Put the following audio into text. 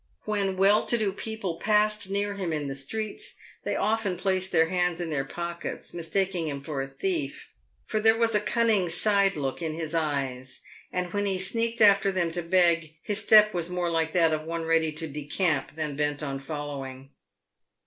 When well to do people passed near him in the streets, they often placed their hands in their pockets, mistaking him for a thief, for there was a cunning side look in his eyes ; and when he sneaked after them to beg, his step was more like that of one ready to decamp than bent on following.